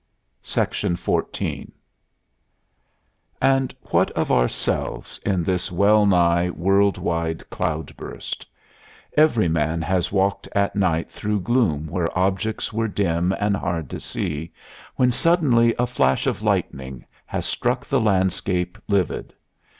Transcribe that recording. XIV And what of ourselves in this well nigh world wide cloud burst? Every man has walked at night through gloom where objects were dim and hard to see, when suddenly a flash of lightning has struck the landscape livid.